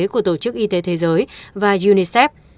của tổ chức y tế thế giới và unicef